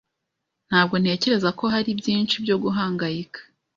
Ntabwo ntekereza ko hari byinshi byo guhangayika.